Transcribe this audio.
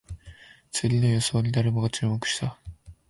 次の予想に誰もが注目した